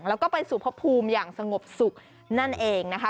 แล้วก็ไปสู่พบภูมิอย่างสงบสุขนั่นเองนะคะ